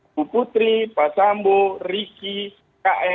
ibu putri pak sambo ricky kae